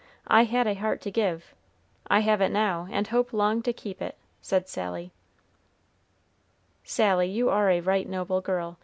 I had a heart to give, I have it now, and hope long to keep it," said Sally. "Sally, you are a right noble girl.